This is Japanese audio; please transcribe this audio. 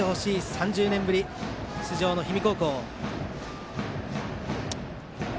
３０年ぶり出場の氷見高校。